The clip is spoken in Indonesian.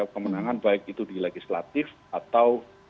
kemenangan baik itu di legislatif atau